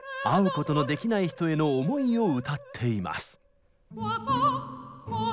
会うことのできない人への思いを歌っています。